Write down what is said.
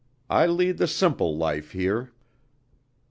I lead the simple life here!"